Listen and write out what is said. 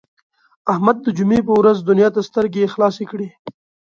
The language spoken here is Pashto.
احمد د جمعې په ورځ دنیا ته سترګې خلاصې کړې.